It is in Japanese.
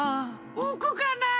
うくかなあ？